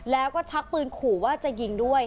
แล้วก็ชักปืนขู่ว่าจะยิงด้วย